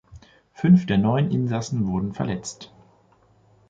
Fünf der neun Insassen wurden verletzt.